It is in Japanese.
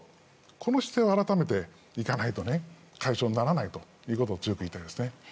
この姿勢を改めていかないと解消にならないということを強く言いたいですね。